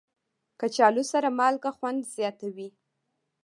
کچالو سره مالګه خوند زیاتوي